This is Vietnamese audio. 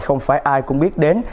không phải ai cũng biết đến